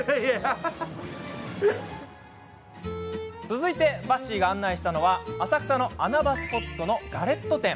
続いてバッシーが案内したのは浅草の穴場スポットのガレット店。